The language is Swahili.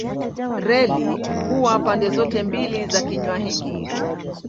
Reli huwa pande zote mbili za kinywa hiki.